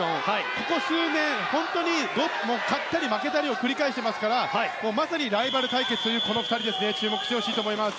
ここ数年勝ったり負けたりを繰り返していますからまさにライバル対決というこの２人、注目してほしいです。